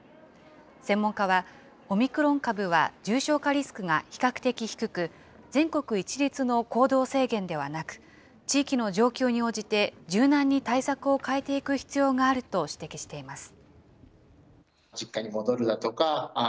専門家は、オミクロン株は重症化リスクが比較的低く、全国一律の行動制限ではなく、地域の状況に応じて、柔軟に対策を変えていく必要があると指摘しています。